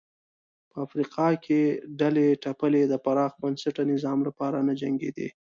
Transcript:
په افریقا کې ډلې ټپلې د پراخ بنسټه نظام لپاره نه جنګېدې.